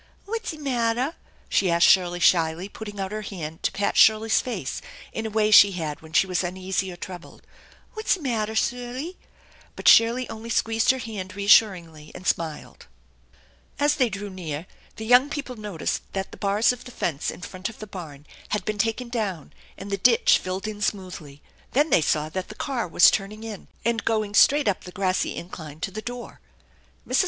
"Whatzie mattah ?" she asked Shirley shyly, putting out her hand to 132 THE ENCHANTED BARN i?at Shirley's face in a way she had when sne was uneasy 01 troubled. " W hatzie mattah, Surly?" But Shirley only squeezed her hand reassuringly, and smiled. As they drew near, the young people noticed that the bars of the fence in front of the barn had been taken down and the ditch filled in smoothly. Then they saw that the car was turning in and going straight up the grassy incline to the door. Mrs.